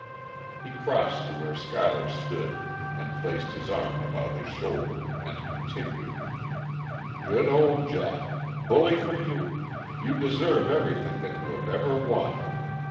He crossed to where Schuyler stood and placed his arm about his shoulders, and continued, "good old Jack. Bully for you. You deserve everything that you have ever won.